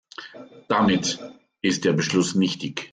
Damit ist der Beschluss nichtig.